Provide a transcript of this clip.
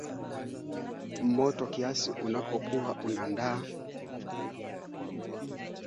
wana taarifa za kuaminika sana kwamba Rwanda inaunga mkono waasi hao